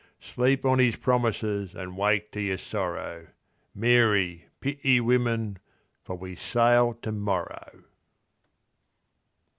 Sleep on 'is promises an' wake to your sorrow(Mary, pity women!), for we sail to morrow!